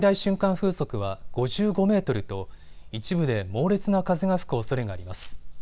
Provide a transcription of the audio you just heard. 風速は５５メートルと一部で猛烈な風が吹くおそれがあります。